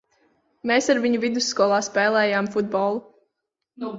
Mēs ar viņu vidusskolā spēlējām futbolu.